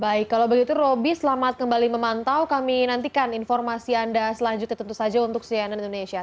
baik kalau begitu roby selamat kembali memantau kami nantikan informasi anda selanjutnya tentu saja untuk cnn indonesia